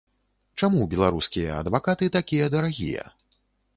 Чаму беларускія адвакаты такія дарагія?